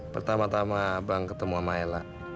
pertama tama abang ketemu sama maela